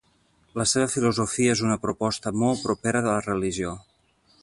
La seva filosofia és una proposta molt propera de la Religió.